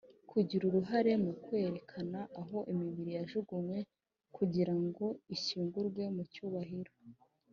Kugira uruhare mu kwerekana aho imibiri yajugunywe kugira ngo ishyingurwe mu cyubahiro